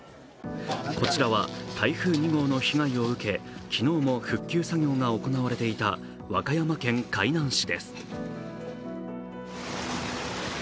こちらは台風２号の被害を受け昨日も復旧作業が行われていた和歌山県海南市です。